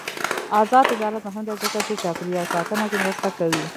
آزاد تجارت مهم دی ځکه چې چاپیریال ساتنه کې مرسته کوي.